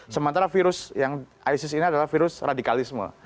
sementara virus yang isis ini adalah virus radikalisme